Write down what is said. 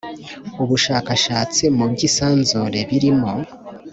ubushakashatsi mu by’isanzure birimo